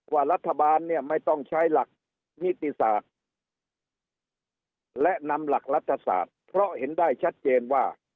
ว่ารัฐบาลเนี่ยไม่ต้องใช้หลักนิติศาสตร์และนำหลักรัฐศาสตร์เพราะเห็นได้ชัดเจนว่า